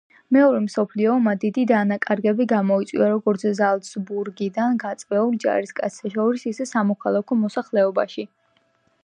მეორე მსოფლიო ომმა დიდი დანაკარგები გამოიწვია როგორც ზალცბურგიდან გაწვეულ ჯარისკაცთა შორის, ისე სამოქალაქო მოსახლეობაში.